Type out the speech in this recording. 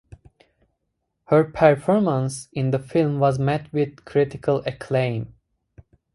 Her performance in the film was met with critical acclaim.